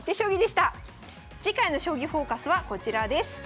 次回の「将棋フォーカス」はこちらです。